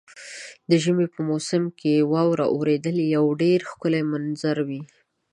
د ژمي په موسم کې د واورې اورېدل یو ډېر ښکلی منظر وي.